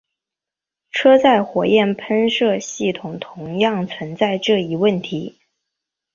车载火焰喷射系统同样存在这一问题。